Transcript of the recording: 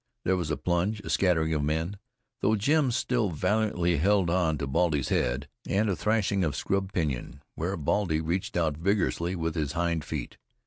There was a plunge, a scattering of men, though Jim still valiantly held on to Baldy's head, and a thrashing of scrub pinyon, where Baldy reached out vigorously with his hind feet.